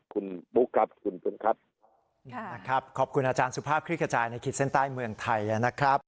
คุณบุ๊คครับคุณคุณครับนะครับขอบคุณอาจารย์สุภาพคลิกกระจายในขีดเส้นใต้เมืองไทยนะครับ